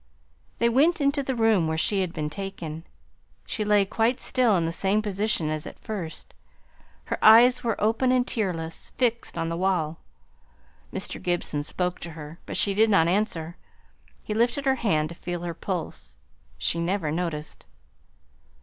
They went into the room where she had been taken. She lay quite still in the same position as at first. Her eyes were open and tearless, fixed on the wall. Mr. Gibson spoke to her, but she did not answer; he lifted her hand to feel her pulse; she never noticed.